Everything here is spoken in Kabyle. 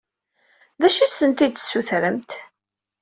D acu i asent-d-tessutremt?